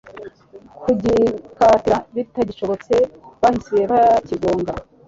kugikatira bitagishobotse bahise bakigonga .